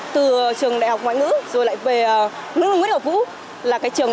từ trường đại học ngoại ngữ rồi lại về nguyễn đồng nguyễn học vũ là cái trường